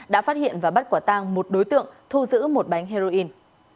đã phát hiện và bắt quả tang một đối tượng thu giữ một bánh heroin